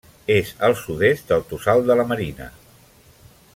És al sud-est del Tossal de la Marina.